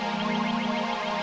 kalau kamu sudah adaituteh